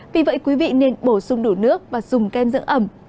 vì vậy quý vị nên bổ sung đủ nước và dùng kem dưỡng ẩm